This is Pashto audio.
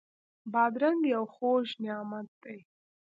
بادرنګ یو خوږ نعمت دی.